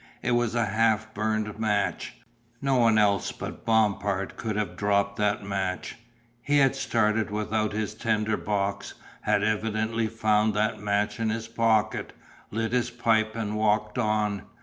It was a half burned match. No one else but Bompard could have dropped that match. He had started without his tinder box, had evidently found that match in his pocket, lit his pipe and walked on.